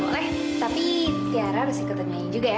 boleh tapi tiara harus ikutinnya juga ya